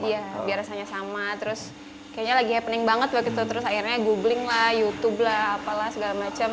iya biar rasanya sama terus kayaknya lagi happening banget waktu itu terus akhirnya googling lah youtube lah apalah segala macem